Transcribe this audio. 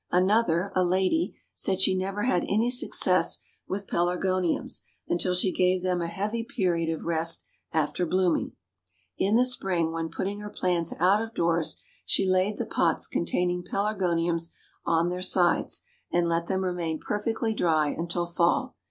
Another, a lady, said she never had any success with Pelargoniums until she gave them a heavy period of rest after blooming. In the spring, when putting her plants out of doors, she laid the pots containing Pelargoniums on their sides, and let them remain perfectly dry until fall.